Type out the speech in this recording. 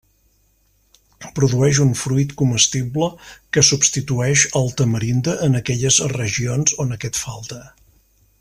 Produeix un fruit comestible que substitueix al tamarinde en aquelles regions on aquest falta.